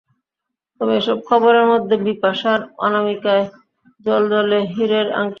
তবে এসব খবরের মধ্যে বিপাশার অনামিকায় জ্বলজ্বলে হিরের আংটিটি নজর কেড়েছে সবচেয়ে বেশি।